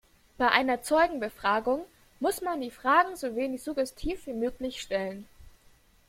Bei einer Zeugenbefragung muss man die Fragen so wenig suggestiv wie möglich stellen.